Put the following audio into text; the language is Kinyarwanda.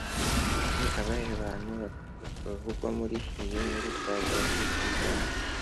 Ni abahe bantu bavugwa muri iyi nkuru twagombye kwigana